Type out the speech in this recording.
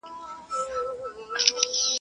o چي غل نه يم د باچا څخه نه بېرېږم.